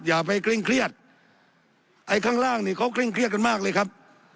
อย่าไปเคร่งเครียดไอ้ข้างล่างนี่เขาเคร่งเครียดกันมากเลยครับ